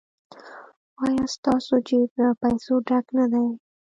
ایا ستاسو جیب له پیسو ډک نه دی؟